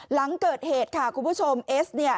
หลังเกิดเหตุค่ะคุณผู้ชมเอสเนี่ย